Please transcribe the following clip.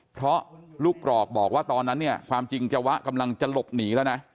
เพราะลูกกรอกบอกว่าตอนนั้นเนี่ยความจริงจวะกำลังจะหลบหนีแล้วนะ